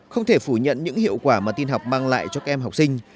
không thể phủ nhận những hiệu quả mà tin học mang lại cho các em học sinh